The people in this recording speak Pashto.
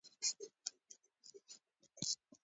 افغانستان کې د بامیان د پرمختګ هڅې روانې دي.